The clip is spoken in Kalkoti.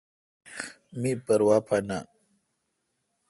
مہ پروا پا نہ تھو۔